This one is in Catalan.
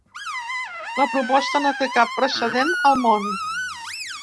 La proposta no té cap precedent al món.